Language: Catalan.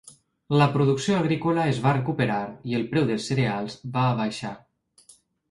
La producció agrícola es va recuperar i el preu dels cereals va baixar.